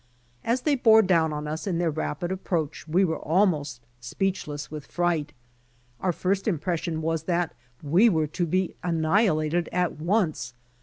As they bore down on us in their rapid approach we were almost speechless with fright. Our first impression was that we were to be annihilated at once.